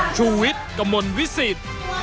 ชูเวทกำมลวิสิต